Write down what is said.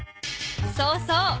そうそう。